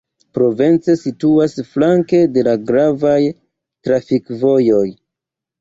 Provence situas flanke de la gravaj trafikvojoj.